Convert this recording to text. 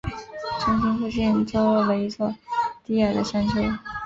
中心附近坐落了一群低矮的山丘。